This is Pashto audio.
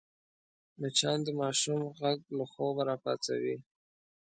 مچان د ماشوم غږ له خوبه راپاڅوي